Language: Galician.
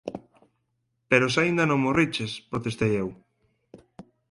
Pero se aínda non morriches −protestei eu.